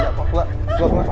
udah udah tenang tenang